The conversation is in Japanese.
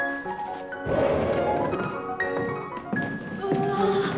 うわ。